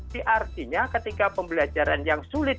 karena ketika pembelajaran yang sulit